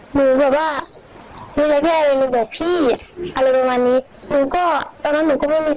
หนูแบบว่าหนูอยากให้อะไรหนูบอกพี่อะไรประมาณนี้หนูก็ตอนนั้นหนูก็ไม่มี